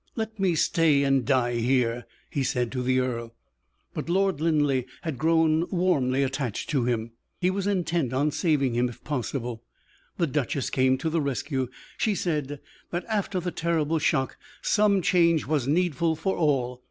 "Let me stay and die here," he said to the earl. But Lord Linleigh had grown warmly attached to him. He was intent on saving him if possible. The duchess came to the rescue: she said, that after the terrible shock some change was needful for all.